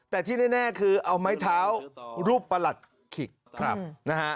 แต่ที่แน่คือเอาไม้เท้ารูปประหลัดขิกนะฮะ